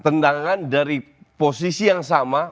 tendangan dari posisi yang sama